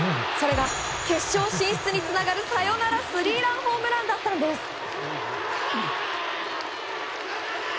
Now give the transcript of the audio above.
それが決勝進出につながるサヨナラスリーランホームランだったんです。